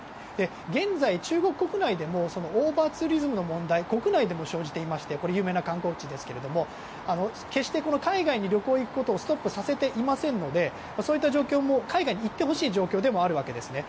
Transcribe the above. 現在、中国国内でもオーバーツーリズムの問題国内でも生じていまして有名な観光地ですけど決して海外に旅行に行くことをストップさせていませんのでそういった状況も海外に行ってほしい状況でもあるわけですね。